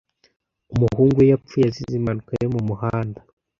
Umuhungu we yapfuye azize impanuka yo mu muhanda.